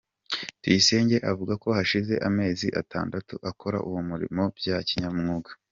Tuyisenge avuga ko hashize amezi atandatu akora uwo murimo bya kinyamwuga.